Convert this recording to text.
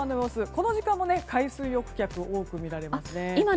この時間も海水浴客が多く見られます。